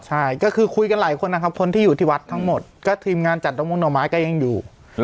ใช่ก็คือคุยกันหลายคนนะครับคนที่อยู่ที่วัดทั้งหมดก็ทีมงานจัดดอกมงหน่อไม้ก็ยังอยู่